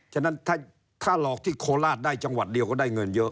ฉะนั้นถ้าหลอกที่โคราชได้จังหวัดเดียวก็ได้เงินเยอะ